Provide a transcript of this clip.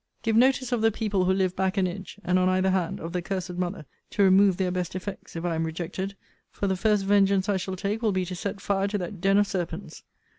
Give notice of the people who live back and edge, and on either hand, of the cursed mother, to remove their best effects, if I am rejected: for the first vengeance I shall take will be to set fire to that den of serpents.